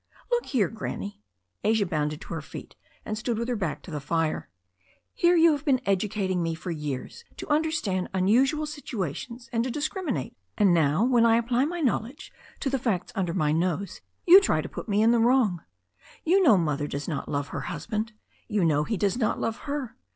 "Look here. Granny" — Asia bounded to her feet, and stood with her back to the fire — "here you have been edu cating me for years to vmderstand unusual situations, and to discriminate, and now, when I apply my knowledge to the facts under my nose, you try to put me in the wrong. You know Mother does not love her husband. You know he does not love her.